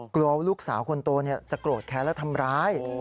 กลัวลูกสาวคนโตจะโกรธแค้นและทำร้าย